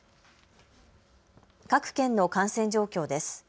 各県の感染状況です。